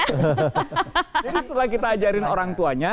jadi setelah kita ajarin orang tuanya